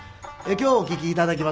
今日お聴き頂きます